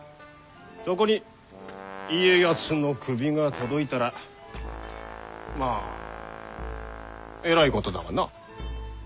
そこに家康の首が届いたらまあえらいことだわな。